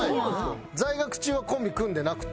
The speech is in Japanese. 在学中はコンビ組んでなくて。